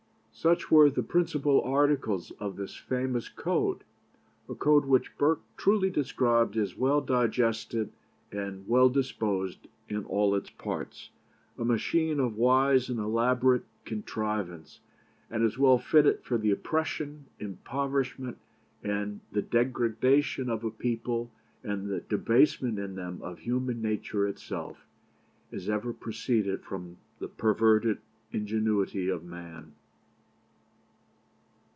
"Such were the principal articles of this famous code a code which Burke truly described as 'well digested and well disposed in all its parts; a machine of wise and elaborate contrivance, and as well fitted for the oppression, impoverishment, and degradation of a people, and the debasement in them of human nature itself, as ever proceeded from the perverted ingenuity of man.'"